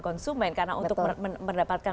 konsumen karena untuk mendapatkan